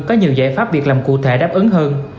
có nhiều giải pháp việc làm cụ thể đáp ứng hơn